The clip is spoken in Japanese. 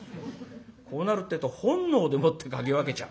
こうなるってえと本能でもって嗅ぎ分けちゃう。